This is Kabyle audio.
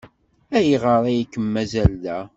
Ayɣer ay kem-mazal da?